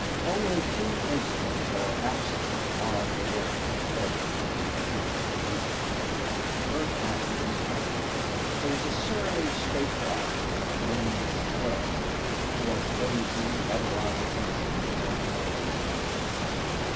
Only two incidents or accidents marred the work and pleasure of those fruitful weeks. The first happened in camp. There was a surly stake driver by the name of Shurd who was lazy and otherwise offensive among hard working men.